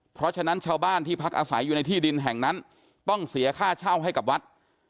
เพราะฉะนั้นชาวบ้านที่พักอาศัยอยู่ในที่ดินแห่งนั้นต้องเสียค่าเช่าให้กับวัด